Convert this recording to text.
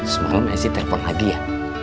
semalam esi telepon lagi ya